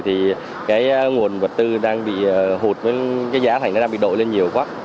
thì nguồn vật tư đang bị hụt với giá thành đang bị đổi lên nhiều quá